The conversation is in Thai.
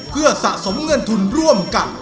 เพื่อสะสมเงินทุนร่วมกัน